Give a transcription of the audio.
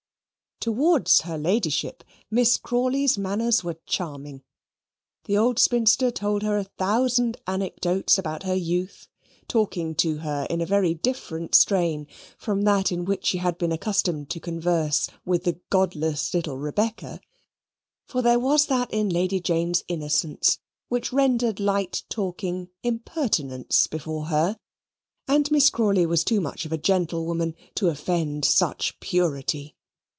Towards her Ladyship Miss Crawley's manners were charming. The old spinster told her a thousand anecdotes about her youth, talking to her in a very different strain from that in which she had been accustomed to converse with the godless little Rebecca; for there was that in Lady Jane's innocence which rendered light talking impertinence before her, and Miss Crawley was too much of a gentlewoman to offend such purity.